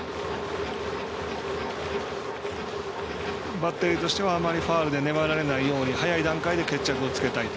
バッテリーとしてはあまりファウルで粘られないように早い段階で決着をつけたいと。